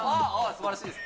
すばらしいです。